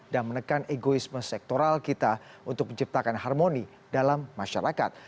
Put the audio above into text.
dan menekan egoisme sektoral kita untuk menciptakan harmoni dalam masyarakat